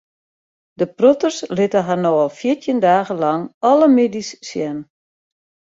De protters litte har no al fjirtjin dagen lang alle middeis sjen.